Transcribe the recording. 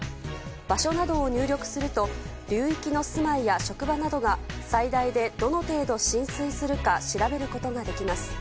場所などを入力すると流域の住まいや職場などが最大でどの程度浸水するか調べることができます。